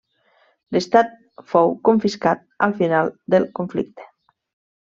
L'estat fou confiscat al final del conflicte.